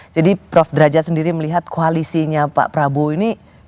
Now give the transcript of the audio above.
jadi prof derajat sendiri melihat koalisinya pak prabowo ini